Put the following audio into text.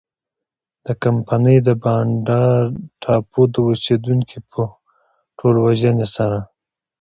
د کمپنۍ د بانډا ټاپو د اوسېدونکو په ټولوژنې سره.